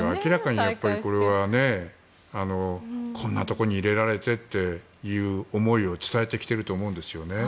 明らかにこれはこんなところに入れられてという思いを伝えてきてると思うんです。